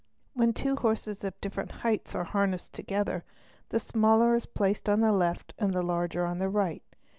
When two horses of different heights are harnessed together, the smaller is placed on the left and the larger on the right.